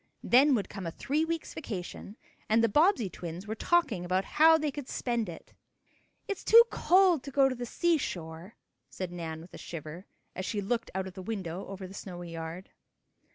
Then would come a three week's vacation, and the Bobbsey twins were talking about how they could spend it. "It's too cold to go to the seashore," said Nan with a shiver, as she looked out of the window over the snowy yard.